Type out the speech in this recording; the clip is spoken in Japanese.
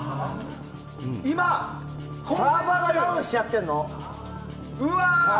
今、サーバーがダウンしちゃってるの？